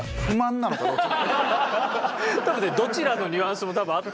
多分ねどちらのニュアンスも多分あったんですけど。